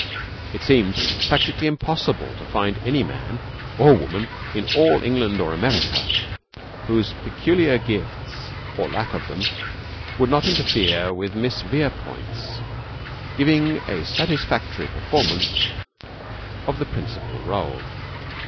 It seemed practically impossible to find any man or woman in all England or America whose peculiar gifts or lack of them would not interfere with Miss Verepoint's giving a satisfactory performance of the principal role.